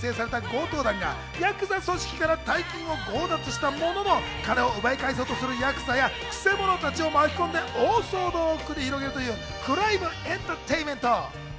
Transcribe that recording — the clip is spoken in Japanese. こちらは一夜限りで結成された強盗団がヤクザ組織から大金を強奪したものの、金を奪い返そうとするヤクザや、くせ者たちを巻き込んで大騒動を繰り広げるというクライム・エンターテインメント。